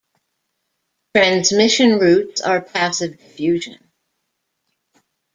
Transmission routes are passive diffusion.